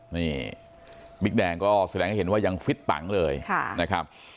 นี่บิ๊กแดงก็แสดงให้เห็นว่ายังฟิตปังเลยนะครับ